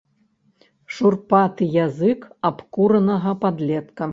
Шурпаты язык абкуранага падлетка.